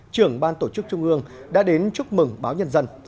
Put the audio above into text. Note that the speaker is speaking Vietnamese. trưởng ban tổ chức trung ương đã đến chúc mừng báo nhân dân